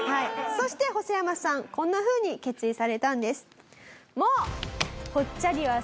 そしてホソヤマさんこんなふうに決意されたんです。